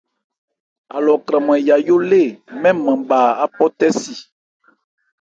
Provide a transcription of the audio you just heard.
Alɔ kranman Yayó lée mɛ́n nman bha áphɔ̂tɛ́si.